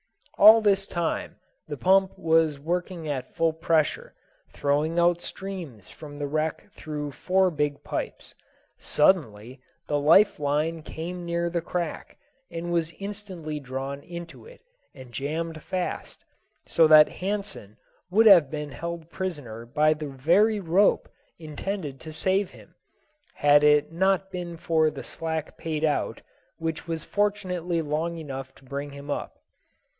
All this time the pump was working at full pressure, throwing out streams from the wreck through four big pipes. Suddenly the life line came near the crack, and was instantly drawn into it and jammed fast, so that Hansen would have been held prisoner by the very rope intended to save him, had it not been for the slack paid out, which was fortunately long enough to bring him up.